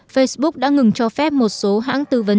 facebook đã ngừng cho phép một số hãng tư vấn